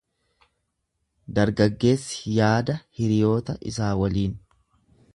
Dargaggeessi yaada hiriyoota isaa waliin.